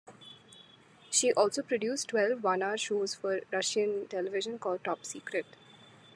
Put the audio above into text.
She also produced Twelve one-hour shows for Russian television called "Top Secret".